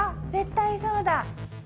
絶対そうだ。